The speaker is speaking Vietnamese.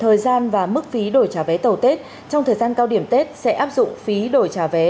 thời gian và mức phí đổi trả vé tàu tết trong thời gian cao điểm tết sẽ áp dụng phí đổi trả vé